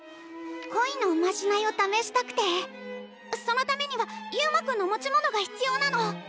こいのおまじないをためしたくてそのためには裕真君の持ち物が必要なの。